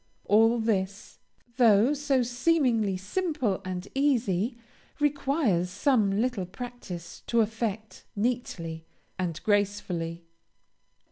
All this, though so seemingly simple and easy, requires some little practice to effect neatly and gracefully.